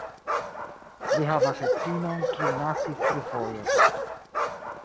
Li havas edzinon, kiu naskis trifoje.